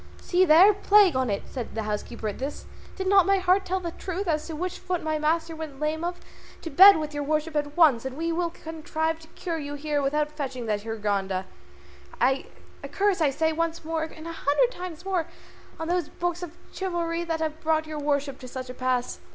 "See there! plague on it!" cried the housekeeper at this: "did not my heart tell the truth as to which foot my master went lame of? To bed with your worship at once, and we will contrive to cure you here without fetching that Hurgada. A curse I say once more, and a hundred times more, on those books of chivalry that have brought your worship to such a pass."